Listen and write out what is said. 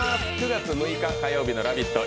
９月６日火曜日の「ラヴィット！」